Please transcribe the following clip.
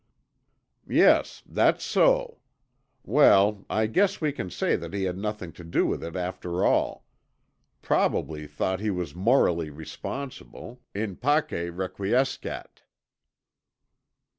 "Yes, that's so. Well, I guess we can say he had nothing to do with it after all. Probably thought he was morally responsible. 'In pace requiescat.'"